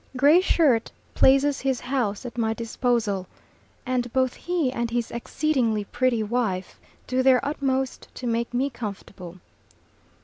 Gray Shirt places his house at my disposal, and both he and his exceedingly pretty wife do their utmost to make me comfortable.